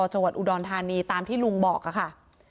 จังหวัดอุดรธานีตามที่ลุงบอกค่ะ